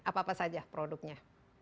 apa apa saja produknya